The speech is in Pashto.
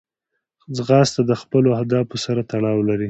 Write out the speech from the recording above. ځغاسته د خپلو اهدافو سره تړاو لري